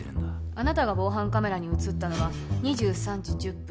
あなたが防犯カメラに写ったのは２３時１０分